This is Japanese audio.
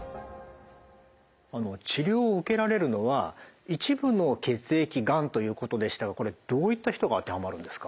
治療を受けられるのは一部の血液がんということでしたがこれどういった人が当てはまるんですか？